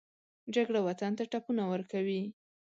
جګړه وطن ته ټپونه ورکوي